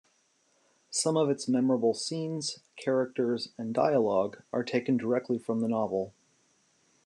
Some of its memorable scenes, characters, and dialogue are taken directly from the novel.